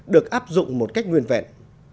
được áp dụng một cách nguyên vẹn